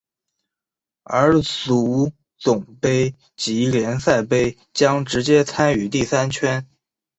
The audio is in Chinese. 而足总杯及联赛杯将直接参与第三圈。